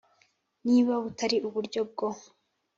niba butari uburyo bwo